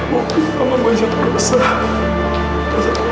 mungkin mama menjadi besar